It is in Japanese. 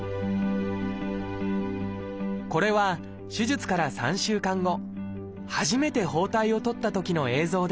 これは手術から３週間後初めて包帯を取ったときの映像です